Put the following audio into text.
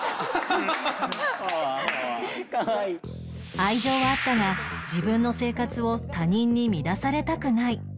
愛情はあったが自分の生活を他人に乱されたくない